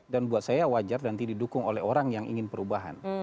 dan buat saya wajar nanti didukung oleh orang yang ingin perubahan